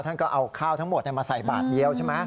ท่านออกข้าวทั้งหมดไปใส่บาทเดียว